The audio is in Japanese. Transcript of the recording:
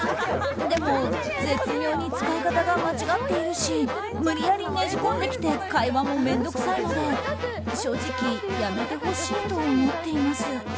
でも、絶妙に使い方が間違っているし無理やりねじ込んできて会話も面倒くさいので正直やめてほしいと思っています。